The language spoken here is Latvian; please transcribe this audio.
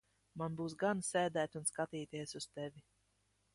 Man būs gana sēdēt un skatīties uz tevi.